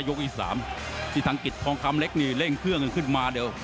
ยกอีก๓ที่ทางกิจทองคำเล็กนี่เร่งเครื่องนึงขึ้นมาเดี๋ยว